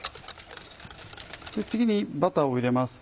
次にバターを入れます。